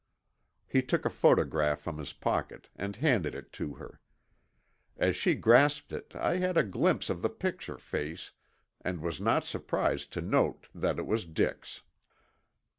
He took a photograph from his pocket and handed it to her. As she grasped it I had a glimpse of the pictured face and was not surprised to note that it was Dick's.